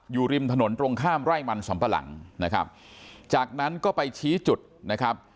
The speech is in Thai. อยู่ริมถนนตรงข้ามไร่มันสำปะหลังนะครับจากนั้นก็ไปชี้จุดนะครับ